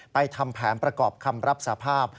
ทำแผนประกอบคำรับสภาพ